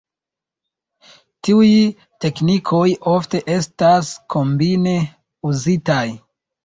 Tiuj teknikoj ofte estas kombine uzitaj.